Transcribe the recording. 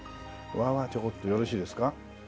ちょこっとよろしいですか？